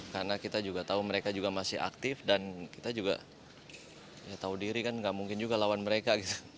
karena kita juga tahu mereka juga masih aktif dan kita juga tahu diri kan tidak mungkin juga lawan mereka